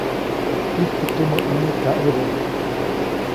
ʼIjtu tumä ʼuneʼ kaʼebä.